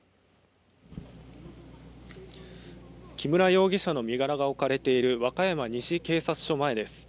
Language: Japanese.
木村容疑者の身柄が置かれている和歌山西警察署前です。